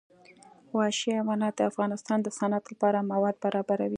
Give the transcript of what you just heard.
وحشي حیوانات د افغانستان د صنعت لپاره مواد برابروي.